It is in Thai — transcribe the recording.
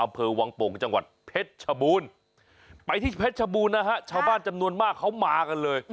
เพชรชบูรณ์ไปที่เพชรชบูรณ์นะฮะชาวบ้านจำนวนมากเขามากันเลย